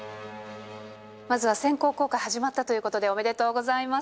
まずは先行公開始まったということで、おめでとうございます。